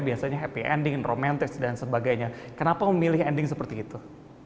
biasanya happy ending romantis dan sebagainya kenapa memilih ending seperti itu